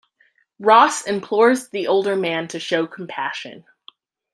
Ross implores the older man to show compassion.